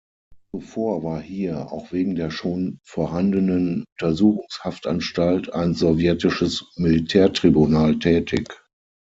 Zuvor war hier, auch wegen der schon vorhandenen Untersuchungshaftanstalt, ein sowjetisches Militärtribunal tätig.